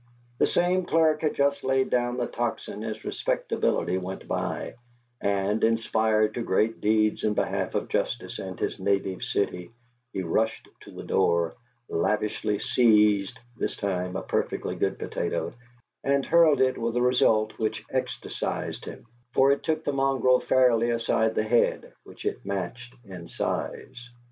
The same clerk had just laid down the Tocsin as Respectability went by, and, inspired to great deeds in behalf of justice and his native city, he rushed to the door, lavishly seized, this time, a perfectly good potato, and hurled it with a result which ecstasized him, for it took the mongrel fairly aside the head, which it matched in size.